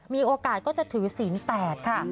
มีโอกาสก็จะถือศีล๘ค่ะ